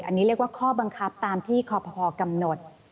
อันนี้เรียกว่าข้อบังคับตามที่คอพกำหนด